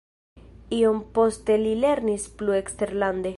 Iom poste li lernis plu eksterlande.